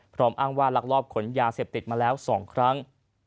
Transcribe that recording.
อ้างว่าลักลอบขนยาเสพติดมาแล้ว๒ครั้ง